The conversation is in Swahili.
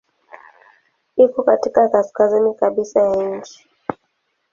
Iko katika kaskazini kabisa ya nchi.